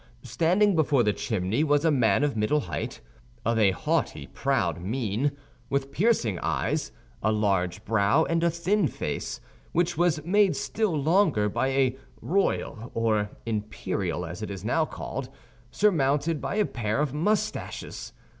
Standing before the chimney was a man of middle height, of a haughty, proud mien; with piercing eyes, a large brow, and a thin face, which was made still longer by a royal (or imperial, as it is now called), surmounted by a pair of mustaches.